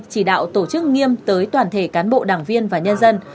chỉ đạo tổ chức nghiêm tới toàn thể cán bộ đảng viên và nhân dân